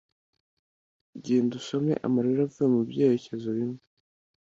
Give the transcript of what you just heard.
genda, usome amarira avuye mubyerekezo bimwe